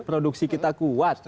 produksi kita kuat